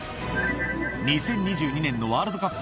２０２２年のワールドカップ